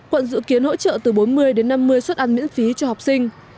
quận dự kiến hỗ trợ từ bốn mươi đến năm mươi suất ăn miễn phí cho học sinh